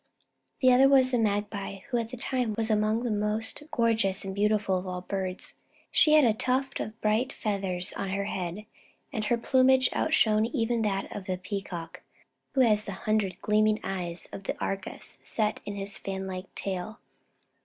The other was the Magpie, who at that time was among the most gorgeous and beautiful of all the birds. She had a tuft of bright feathers on her head, and her plumage outshone even that of the Peacock, who has the hundred gleaming eyes of Argus set in his fan like tail.